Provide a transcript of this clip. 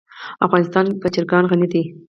افغانستان په چرګان غني دی.